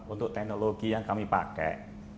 untuk teknologi yang kami pakai